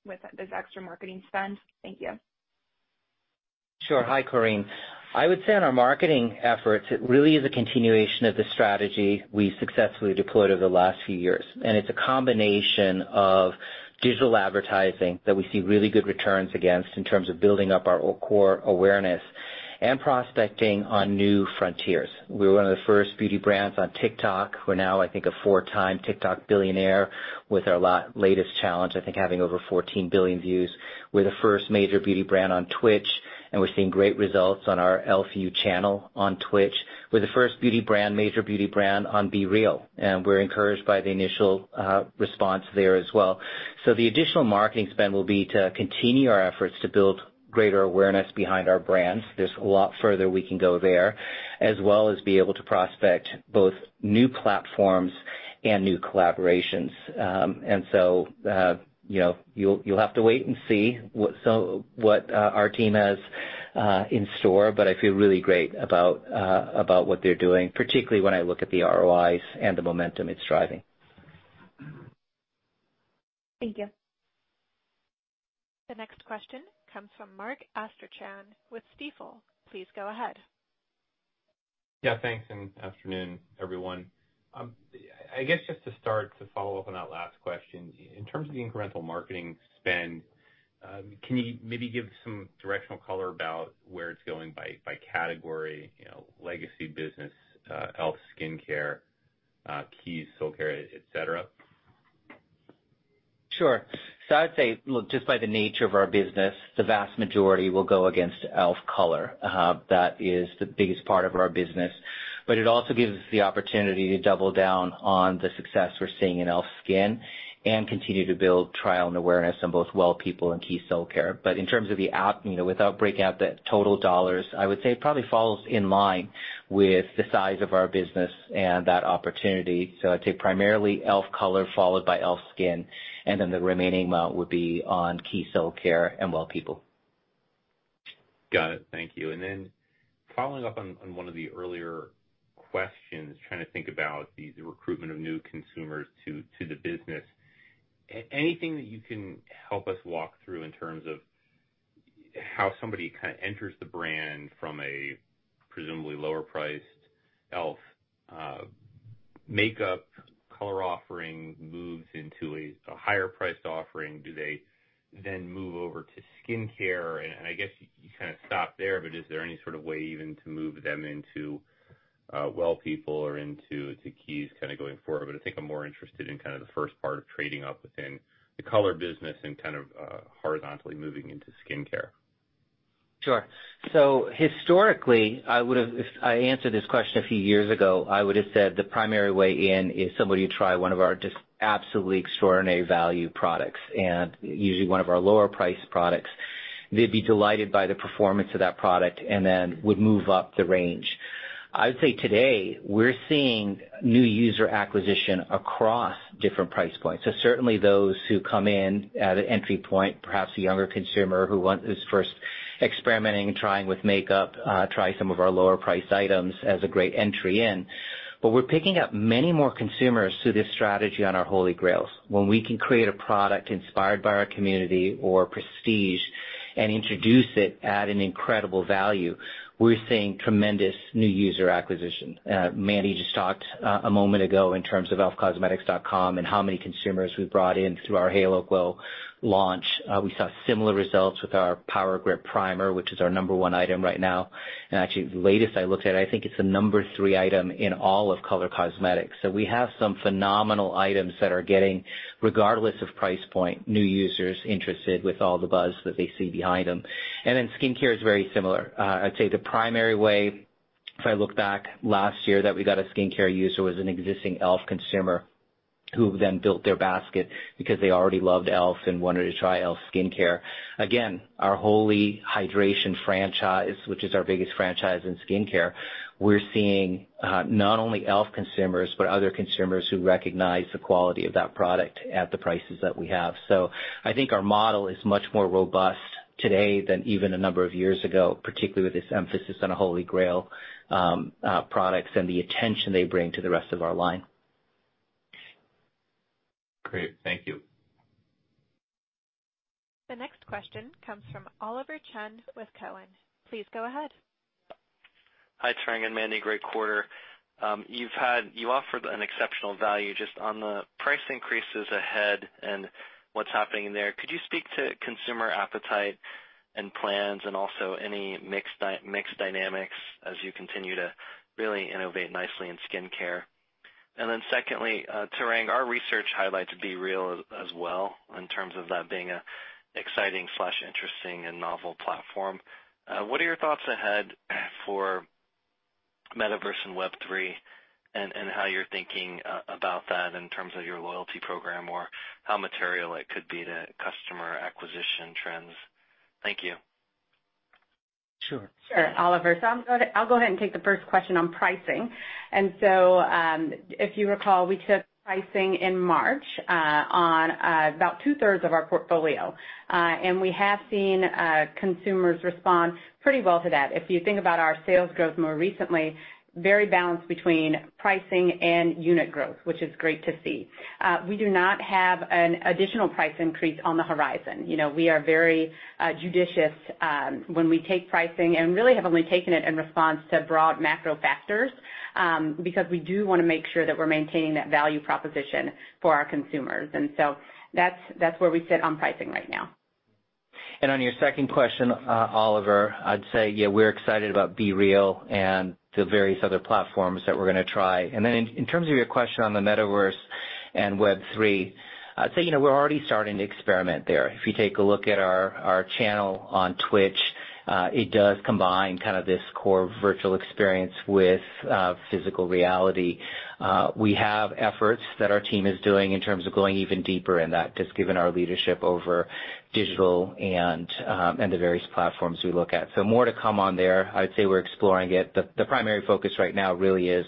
with this extra marketing spend? Thank you. Sure. Hi, Korinne. I would say on our marketing efforts, it really is a continuation of the strategy we successfully deployed over the last few years. It's a combination of digital advertising that we see really good returns against in terms of building up our core awareness. And prospecting on new frontiers. We were one of the first beauty brands on TikTok. We're now, I think, a four-time TikTok billionaire with our latest challenge, I think, having over 14 billion views. We're the first major beauty brand on Twitch, and we're seeing great results on our e.l.f. U channel on Twitch. We're the first beauty brand, major beauty brand on BeReal, and we're encouraged by the initial response there as well. The additional marketing spend will be to continue our efforts to build greater awareness behind our brands. There's a lot further we can go there, as well as be able to prospect both new platforms and new collaborations. You know, you'll have to wait and see what our team has in store, but I feel really great about what they're doing, particularly when I look at the ROIs and the momentum it's driving. Thank you. The next question comes from Mark Astrachan with Stifel. Please go ahead. Yeah, thanks. Good afternoon, everyone. I guess just to start, to follow up on that last question, in terms of the incremental marketing spend, can you maybe give some directional color about where it's going by category, you know, legacy business, e.l.f. SKIN, Keys Soulcare, et cetera? Sure. I'd say, look, just by the nature of our business, the vast majority will go against e.l.f. Color. That is the biggest part of our business, but it also gives the opportunity to double down on the success we're seeing in e.l.f. SKIN and continue to build trial and awareness on both Well People and Keys Soulcare. In terms of you know, without breaking out the total dollars, I would say it probably falls in line with the size of our business and that opportunity. I'd say primarily e.l.f. Color, followed by e.l.f. SKIN, and then the remaining amount would be on Keys Soulcare and Well People. Got it. Thank you. Following up on one of the earlier questions, trying to think about the recruitment of new consumers to the business. Anything that you can help us walk through in terms of how somebody kinda enters the brand from a presumably lower priced e.l.f. makeup color offering moves into a higher priced offering? Do they then move over to skincare? I guess you kinda stop there, but is there any sort of way even to move them into Well People or into Keys kinda going forward? I think I'm more interested in kind of the first part of trading up within the color business and kind of horizontally moving into skincare. Sure. Historically, I would've if I answered this question a few years ago, I would've said the primary way in is somebody try one of our just absolutely extraordinary value products and usually one of our lower priced products. They'd be delighted by the performance of that product and then would move up the range. I would say today we're seeing new user acquisition across different price points. Certainly those who come in at an entry point, perhaps a younger consumer who is first experimenting, trying with makeup, try some of our lower priced items as a great entry in. But we're picking up many more consumers through this strategy on our Holy Grails. When we can create a product inspired by our community or prestige and introduce it at an incredible value, we're seeing tremendous new user acquisition. Mandy just talked a moment ago in terms of elfcosmetics.com and how many consumers we've brought in through our Halo Glow launch. We saw similar results with our Power Grip Primer, which is our number one item right now. Actually the latest I looked at, I think it's the number three item in all of color cosmetics. We have some phenomenal items that are getting, regardless of price point, new users interested with all the buzz that they see behind them. Skincare is very similar. I'd say the primary way, if I look back last year, that we got a skincare user was an existing e.l.f. consumer who then built their basket because they already loved e.l.f. and wanted to try e.l.f. skincare. Again, our Holy Hydration! franchise, which is our biggest franchise in skincare, we're seeing not only e.l.f. Consumers, but other consumers who recognize the quality of that product at the prices that we have. I think our model is much more robust today than even a number of years ago, particularly with this emphasis on Holy Grail products and the attention they bring to the rest of our line. Great. Thank you. The next question comes from Oliver Chen with Cowen. Please go ahead. Hi, Tarang and Mandy, great quarter. You offered an exceptional value just on the price increases ahead and what's happening there. Could you speak to consumer appetite and plans and also any mixed dynamics as you continue to really innovate nicely in skincare? Secondly, Tarang, our research highlights BeReal as well in terms of that being an exciting slash interesting and novel platform. What are your thoughts ahead for metaverse and Web3 and how you're thinking about that in terms of your loyalty program or how material it could be to customer acquisition trends? Thank you. Sure. Sure, Oliver. I'll go ahead and take the first question on pricing. If you recall, we took pricing in March, on about two-thirds of our portfolio. We have seen consumers respond pretty well to that. If you think about our sales growth more recently, very balanced between pricing and unit growth, which is great to see. We do not have an additional price increase on the horizon. You know, we are very judicious when we take pricing, and really have only taken it in response to broad macro factors, because we do wanna make sure that we're maintaining that value proposition for our consumers. That's where we sit on pricing right now. On your second question, Oliver, I'd say, yeah, we're excited about BeReal and the various other platforms that we're gonna try. In terms of your question on the metaverse and Web3, I'd say, you know, we're already starting to experiment there. If you take a look at our channel on Twitch, it does combine kind of this core virtual experience with physical reality. We have efforts that our team is doing in terms of going even deeper in that, just given our leadership over digital and the various platforms we look at. More to come on there. I'd say we're exploring it. The primary focus right now really is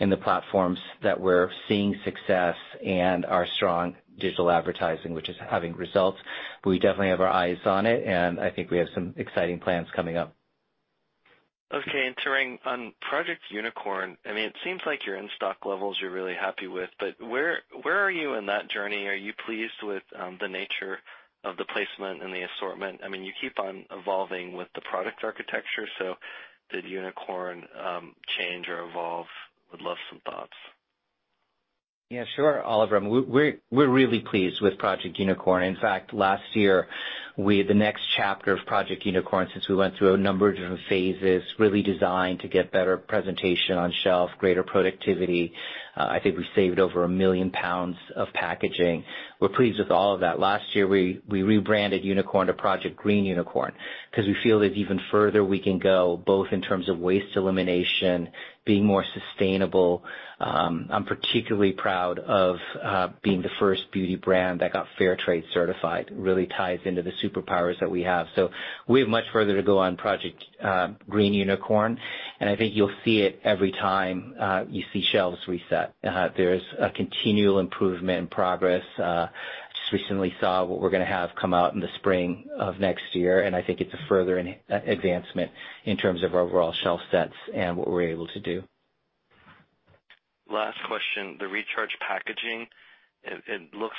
in the platforms that we're seeing success and our strong digital advertising, which is having results, but we definitely have our eyes on it, and I think we have some exciting plans coming up. Okay. Tarang, on Project Unicorn, I mean, it seems like your in-stock levels you're really happy with, but where are you in that journey? Are you pleased with the nature of the placement and the assortment? I mean, you keep on evolving with the product architecture, so did Unicorn change or evolve? Would love some thoughts. Yeah, sure, Oliver. We're really pleased with Project Unicorn. In fact, last year, we had the next chapter of Project Unicorn since we went through a number of different phases, really designed to get better presentation on shelf, greater productivity. I think we saved over 1 million lbs of packaging. We're pleased with all of that. Last year, we rebranded Unicorn to Project Green Unicorn because we feel there's even further we can go, both in terms of waste elimination, being more sustainable. I'm particularly proud of being the first beauty brand that got fair trade certified. Really ties into the superpowers that we have. We have much further to go on Project Green Unicorn, and I think you'll see it every time you see shelves reset. There's a continual improvement and progress. Just recently saw what we're gonna have come out in the spring of next year, and I think it's a further advancement in terms of overall shelf sets and what we're able to do. Last question. The recharge packaging, it looks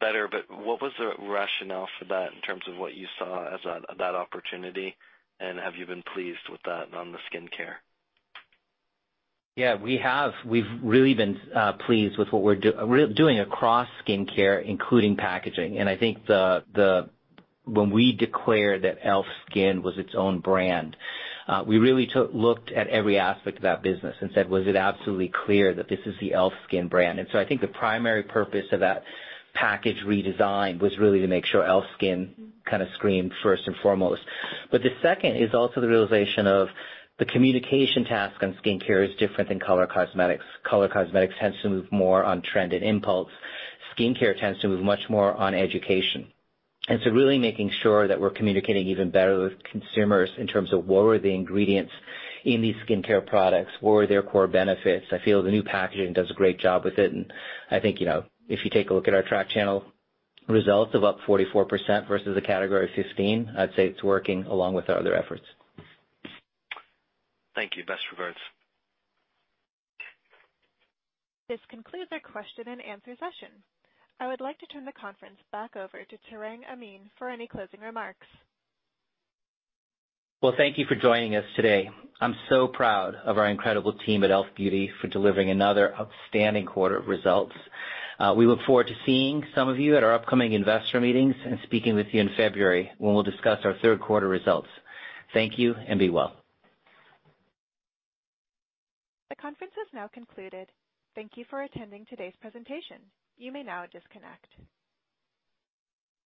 better, but what was the rationale for that in terms of what you saw as that opportunity? Have you been pleased with that on the skincare? Yeah, we have. We've really been pleased with what we're doing across skincare, including packaging. I think when we declared that e.l.f. SKIN was its own brand, we really looked at every aspect of that business and said, "Was it absolutely clear that this is the e.l.f. SKIN brand?" I think the primary purpose of that package redesign was really to make sure e.l.f. SKIN kind of screamed first and foremost. The second is also the realization of the communication task on skincare is different than color cosmetics. Color cosmetics tends to move more on trend and impulse. Skincare tends to move much more on education. Really making sure that we're communicating even better with consumers in terms of what were the ingredients in these skincare products, what were their core benefits. I feel the new packaging does a great job with it, and I think, you know, if you take a look at our TikTok channel results up 44% versus a category of 15%, I'd say it's working along with our other efforts. Thank you. Best regards. This concludes our question and answer session. I would like to turn the conference back over to Tarang Amin for any closing remarks. Well, thank you for joining us today. I'm so proud of our incredible team at e.l.f. Beauty for delivering another outstanding quarter of results. We look forward to seeing some of you at our upcoming investor meetings and speaking with you in February when we'll discuss our third quarter results. Thank you, and be well. The conference has now concluded. Thank you for attending today's presentation. You may now disconnect.